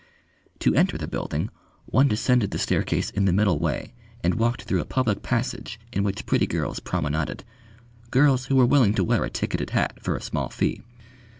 To enter the building one descended the staircase in the middle way and walked through a public passage in which pretty girls promenaded, girls who were willing to wear a ticketed hat for a small fee.